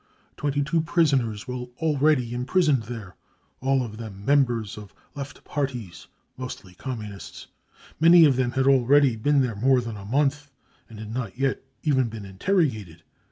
Twenty two prisoners were already imprisoned there, all of them members of Left Parties, mostly Communists. Many pf them had already been there more than a month and had not yet even been in terrogated.